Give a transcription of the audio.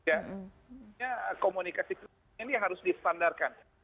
komunikasi ini harus disandarkan